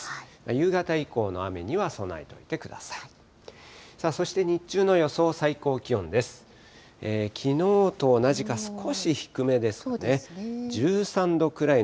夕方以降の雨には備えておいてください。